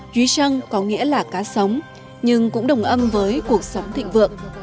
dưới sân có nghĩa là cá sống nhưng cũng đồng âm với cuộc sống thịnh vượng